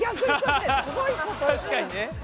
確かにね。